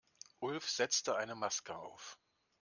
Ulf setzte eine Maske auf.